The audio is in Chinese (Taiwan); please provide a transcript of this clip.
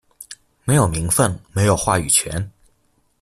沒有名份，沒有話語權